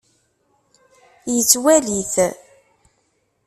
Yettwali-t.